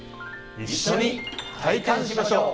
一緒に体感しましょう！